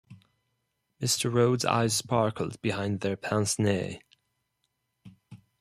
Mr. Rhodes's eyes sparkled behind their pince-nez.